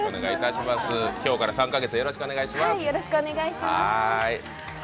今日から３カ月よろしくお願いします。